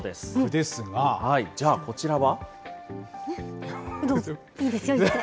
ですが、じゃあこいやぁ。